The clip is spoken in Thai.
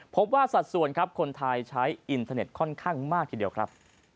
สัดส่วนครับคนไทยใช้อินเทอร์เน็ตค่อนข้างมากทีเดียวครับ